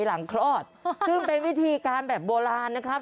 คลอดซึ่งเป็นวิธีการแบบโบราณนะครับ